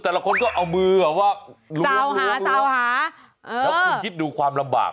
แต่ละคนก็เอามือแบบว่าล้วงหาสาวหาแล้วคุณคิดดูความลำบาก